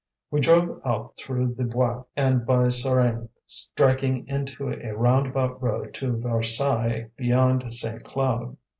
We drove out through the Bois and by Suresnes, striking into a roundabout road to Versailles beyond St. Cloud.